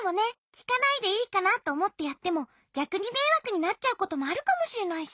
きかないでいいかなとおもってやってもぎゃくにめいわくになっちゃうこともあるかもしれないし。